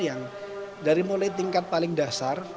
yang dari mulai tingkat paling dasar